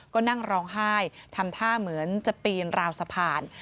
ก็นั่งร้องไห้ทำท่าเหมือนจะปีนราวสะพาน